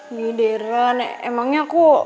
ini deran emangnya aku